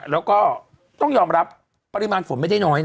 แล้วก็ต้องยอมรับปริมาณฝนไม่ได้น้อยนะ